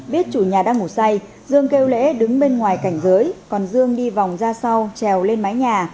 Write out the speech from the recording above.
biết chủ nhà đang ngủ say dương kêu lễ đứng bên ngoài cảnh giới còn dương đi vòng ra sau trèo lên mái nhà